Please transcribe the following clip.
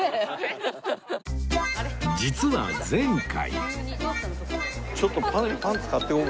実は前回